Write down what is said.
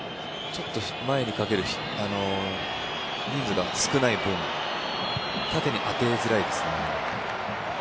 ちょっと前にかける人数が少ない分縦に当てづらいですね。